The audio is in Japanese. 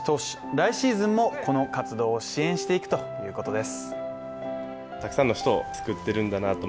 来シーズンもこの活動を支援していくということです。